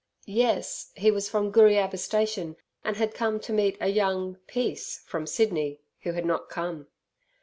Yes, he was from Gooriabba Station, and had come to meet a young "piece" from Sydney, who had not come.